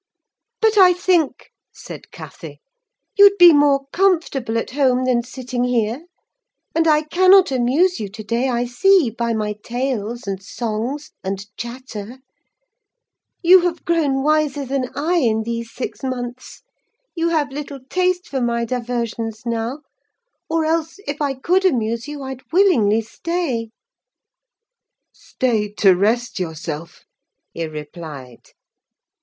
"But I think," said Cathy, "you'd be more comfortable at home than sitting here; and I cannot amuse you to day, I see, by my tales, and songs, and chatter: you have grown wiser than I, in these six months; you have little taste for my diversions now: or else, if I could amuse you, I'd willingly stay." "Stay to rest yourself," he replied.